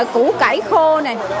củ cải khô này